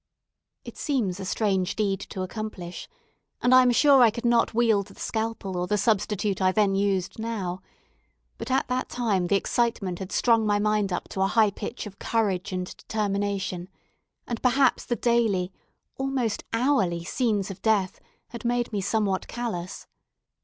It seems a strange deed to accomplish, and I am sure I could not wield the scalpel or the substitute I then used now, but at that time the excitement had strung my mind up to a high pitch of courage and determination; and perhaps the daily, almost hourly, scenes of death had made me somewhat callous.